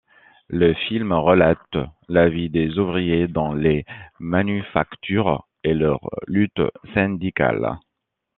Le film relate la vie des ouvriers dans les manufactures et leurs luttes syndicales.